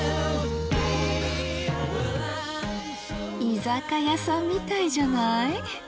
居酒屋さんみたいじゃない？